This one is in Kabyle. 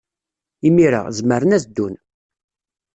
Imir-a, zemren ad ddun.